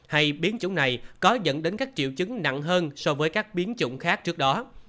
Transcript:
hay biến chủng này có dẫn đến các triệu chứng nặng hơn so với các biến chủng khác trước đó